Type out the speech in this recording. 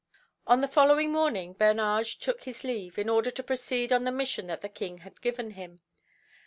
On the following morning Bernage took his leave, in order to proceed on the mission that the King had given him.